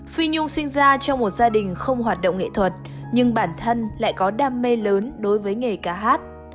phi nhung sinh ra trong một gia đình không hoạt động nghệ thuật nhưng bản thân lại có đam mê lớn đối với nghề ca hát